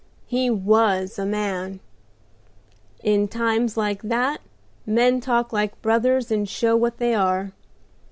"He was a man! In times like that men talk like brothers and show what they are.